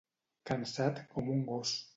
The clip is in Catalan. Cansat com un gos.